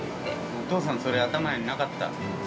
お父さん、それ頭になかった。